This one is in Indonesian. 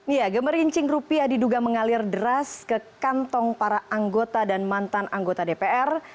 ya gemerincing rupiah diduga mengalir deras ke kantong para anggota dan mantan anggota dpr